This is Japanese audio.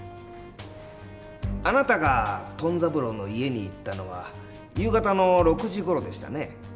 あなたがトン三郎の家に行ったのは夕方の６時ごろでしたね？